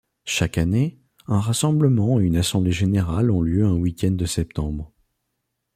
Chaque année, un rassemblement et une assemblée générale ont lieu un week-end de septembre.